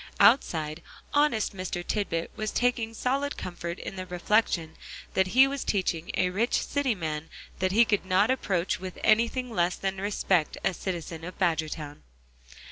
Outside, honest Mr. Tisbett was taking solid comfort in the reflection that he was teaching a rich city man that he could not approach with anything less than respect a citizen of Badgertown.